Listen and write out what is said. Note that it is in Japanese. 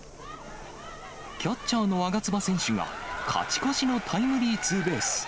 キャッチャーの我妻選手が勝ち越しのタイムリーツーベース。